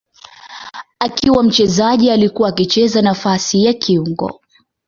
Akiwa mchezaji alikuwa akicheza nafasi ya kiungo.